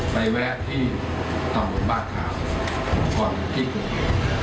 ไปแวะที่ตำรวจบ้านขาวก่อนที่คุณเห็น